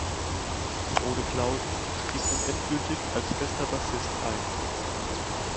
Frode Clausen stieg nun endgültig als fester Bassist ein.